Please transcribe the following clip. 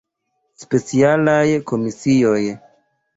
Specialaj Komisioj.